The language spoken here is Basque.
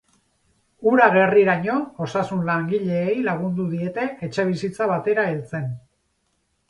Ura gerriraino, osasun langileei lagundu diete etxebizitza batera heltzen.